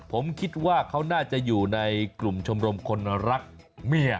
ผมคิดว่าเขาน่าจะอยู่ในกลุ่มชมรมคนรักเมีย